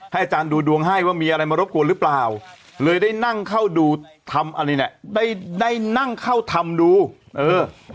อาจารย์ดูดวงให้ว่ามีอะไรมารบกวนหรือเปล่าเลยได้นั่งเข้าดูทำอันนี้น่ะได้ได้นั่งเข้าทำดูเออ